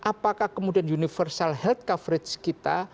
apakah kemudian universal health coverage kita